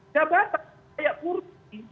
jabatan kayak kursi